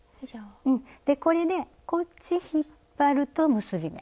でこれでこっち引っ張ると結び目。